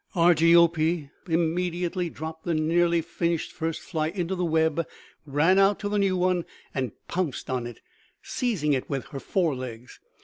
Argiope immediately dropped the nearly finished first fly into the web, ran out to the new one and pounced on it, seizing it with her fore legs.